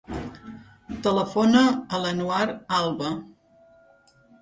Telefona a l'Anouar Alba.